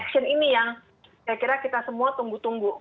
saya kira kita semua tunggu tunggu